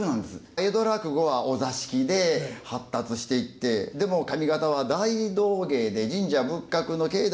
江戸落語はお座敷で発達していってでも上方は大道芸で神社仏閣の境内で発達したようなものが。